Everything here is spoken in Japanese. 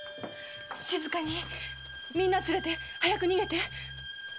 静かにみんな連れて早く逃げて。